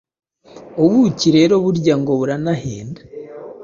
ubuki rero burya ngo buranahenda